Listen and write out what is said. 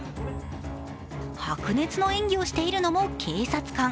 白熱の演技をしているのも警察官。